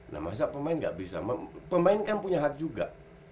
nah masa pemain nggak bisa pemain kan punya hak juga